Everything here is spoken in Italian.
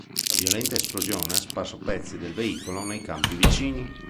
La violenta esplosione ha sparso pezzi del veicolo nei campi vicini.